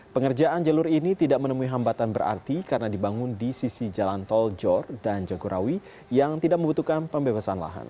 pengerjaan jalur ini tidak menemui hambatan berarti karena dibangun di sisi jalan tol jor dan jagorawi yang tidak membutuhkan pembebasan lahan